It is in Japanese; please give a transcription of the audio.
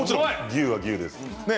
牛は牛ですよね。